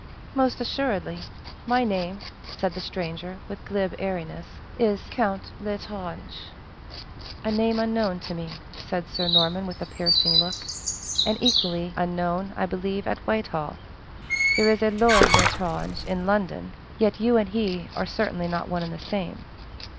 "Most assuredly! My name," said the stranger, with glib airiness, "is Count L'Estrange." "A name unknown to me," said Sir Norman, with a piercing look, "and equally unknown, I believe, at Whitehall. There is a Lord L'Estrange in London; but you and he are certainly not one and the same."